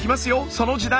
その時代！